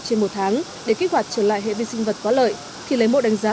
trên một tháng để kết quả trở lại hệ vi sinh vật có lợi thì lấy mộ đánh giá